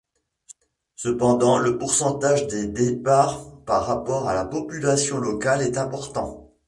Cependant le pourcentage des départs par rapport à la population locale est important.